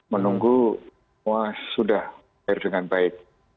menunggu semua sudah air dengan baik